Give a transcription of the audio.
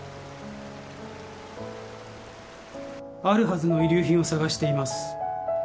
あるはずの遺留品を捜しています